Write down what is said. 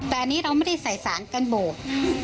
แต่อันนี้เราไม่ได้ใส่สารกันโบด